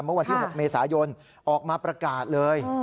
เมื่อวันที่๖เมษายนออกมาประกาศเลย